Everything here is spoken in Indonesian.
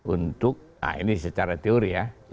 untuk ini secara teori ya